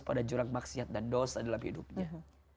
pada jurang maksiat dan dosa dalam hidupnya